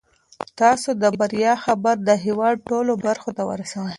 تاسو د بریا خبر د هیواد ټولو برخو ته ورسوئ.